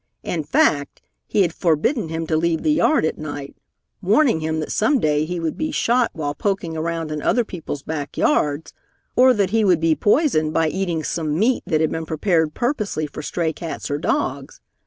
In fact, he had forbidden him to leave the yard at night, warning him that some day he would be shot while poking around in other people's back yards, or that he would be poisoned by eating some meat that had been prepared purposely for stray cats or dogs.